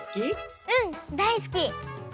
うんだいすき！